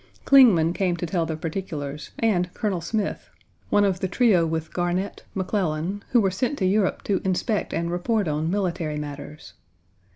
Clingman came to tell the particulars, and Colonel Smith (one of the trio with Garnett, McClellan, who were sent to Europe to inspect and report on military matters).